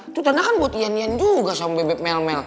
tuh tanda kan buat ian ian juga sama bebek melmel